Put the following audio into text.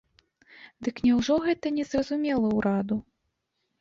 Дык няўжо гэта не зразумела ўраду?